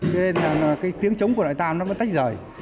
thế nên là cái tiếng trống của đội tan nó vẫn tách rời